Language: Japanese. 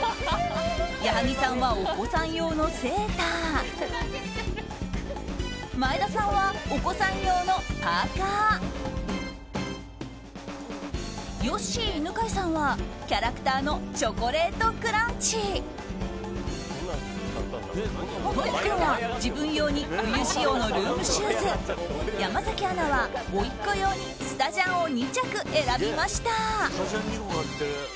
矢作さんはお子さん用のセーター前田さんはお子さん用のパーカヨッシー犬飼さんはキャラクターのチョコレートクランチ都仁君は自分用に冬仕様のルームシューズ山崎アナは、おいっ子用にスタジャンを２着選びました。